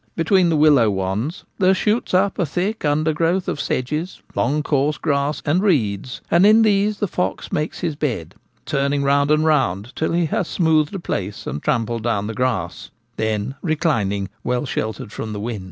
Between the willow wands there shoots up a thick undergrowth of sedges, long coarse grass, and reeds ; and in these the fox makes his bed, turning round and round till he has smoothed a place and trampled down the grass ; then reclining, well sheltered from the wind.